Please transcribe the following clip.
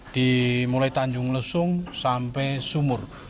dimulai tanjung lesung sampai sumur